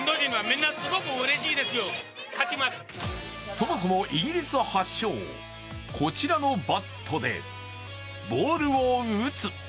そもそもイギリス発祥、こちらのバットでボールを打つ。